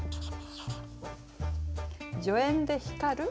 「助演で光る」。